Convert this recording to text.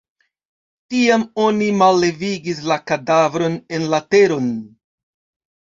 Tiam oni mallevigis la kadavron en la teron.